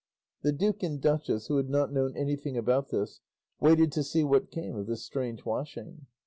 The duke and duchess, who had not known anything about this, waited to see what came of this strange washing.